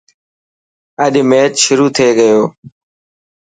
اڄ ميچ شروع ٿي گيو.